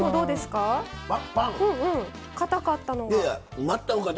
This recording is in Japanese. かたかったのが。